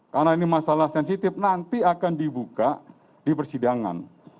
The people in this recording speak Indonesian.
karena ini masalah sensitif nanti akan dibuka di persidangan